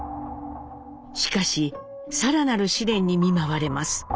しかし更なる試練に見舞われます。